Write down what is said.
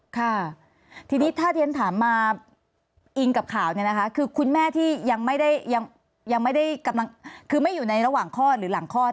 ค่ะทีนี้ถ้าเทะถามอิงกับข่าวคุณแม่ที่ยังไม่อยู่ระหว่างหลังคลอด